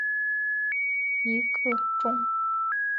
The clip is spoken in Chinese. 大叶杨桐为山茶科杨桐属下的一个种。